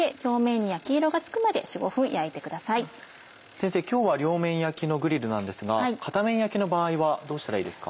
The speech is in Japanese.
先生今日は両面焼きのグリルなんですが片面焼きの場合はどうしたらいいですか？